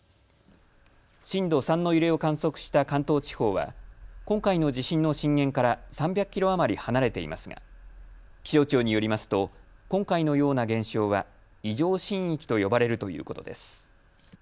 震度３の揺れを観測した関東地方は今回の地震の震源から３００キロ余り離れていますが気象庁によりますと今回のような現象は異常震域と呼ばれるということです。